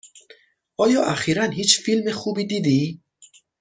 آیا اخیرا هیچ فیلم خوبی دیدی؟